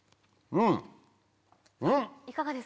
うん！